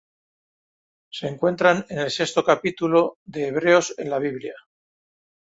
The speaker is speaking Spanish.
Se encuentran en el sexto capítulo de Hebreos en la Biblia.